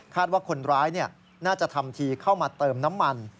ว่าคนร้ายน่าจะทำทีเข้ามาเติมน้ำมัน